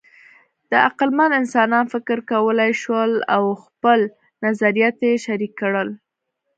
د عقلمن انسانان فکر کولی شول او خپل نظریات یې شریک کړل.